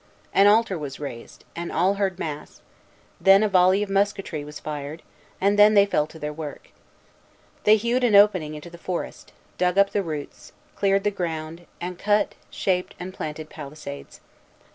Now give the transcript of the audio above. An altar was raised, and all heard mass; then a volley of musketry was fired; and then they fell to their work. They hewed an opening into the forest, dug up the roots, cleared the ground, and cut, shaped, and planted palisades.